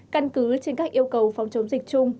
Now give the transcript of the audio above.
căn cứ trên các yêu cầu phòng chống dịch chung